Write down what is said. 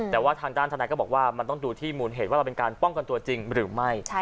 แต่ว่าทางด้านทนายก็บอกว่ามันต้องดูที่มูลเหตุว่าเราเป็นการป้องกันตัวจริงหรือไม่